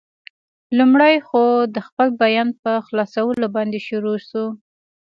لومړی خو، د خپل بیان په خلاصولو باندې شروع شو.